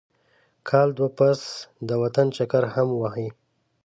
کال دوه پس د وطن چکر هم وهي.